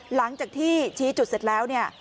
หลังจากที่ชี้จุดเสร็จแล้วเนี่ย